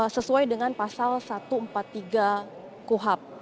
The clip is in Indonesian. sesuai dengan pasal satu ratus empat puluh tiga kuhap